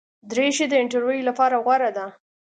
دریشي د انټرویو لپاره غوره ده.